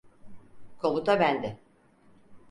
Komuta bende.